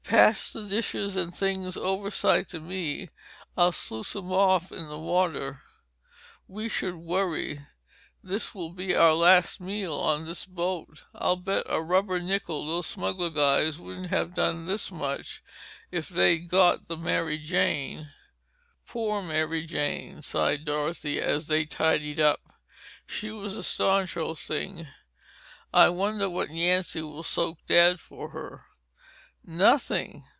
"Pass the dishes and things overside to me. I'll sluice 'em off in the water. We should worry. This will be our last meal on this boat. I'll bet a rubber nickel those smuggler guys wouldn't have done this much if they'd got the Mary Jane." "Poor Mary Jane," sighed Dorothy as they tidied up. "She was a staunch old thing. I wonder what Yancy will soak Dad for her?" "Nothing.